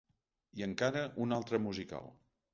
I encara un altre musical.